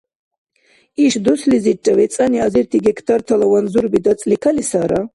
Иш дуслизирра вецӀани азирти гектартала ванзурби дацӀли калесара?